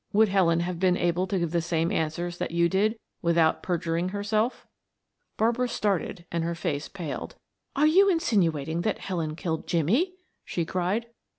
"Would Helen have been able to give the same answers that you did without perjuring herself?" Barbara started and her face paled. "Are you insinuating that Helen killed Jimmie?" she cried.